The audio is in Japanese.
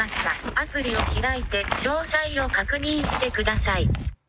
アプリを開いて詳細を確認してください。